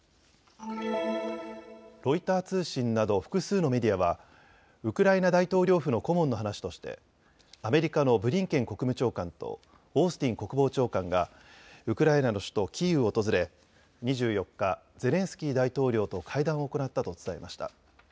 ロイター通信など複数のメディアはウクライナ大統領府の顧問の話としてアメリカのブリンケン国務長官とオースティン国防長官がウクライナの首都キーウを訪れ２４日、ゼレンスキー大統領と会談を行ったと伝えました。